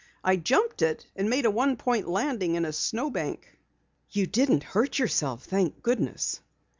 I jumped it and made a one point landing in a snowbank!" "You didn't hurt yourself, thank goodness."